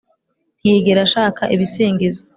ntiyigera ashaka ibisingizo.